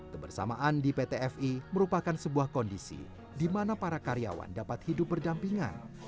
kebersamaan di pt fi merupakan sebuah kondisi di mana para karyawan dapat hidup berdampingan